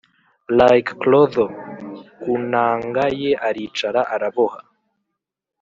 like clotho, ku nanga ye aricara araboha